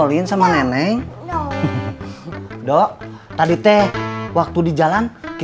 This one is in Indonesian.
lelek kenapa gak diajak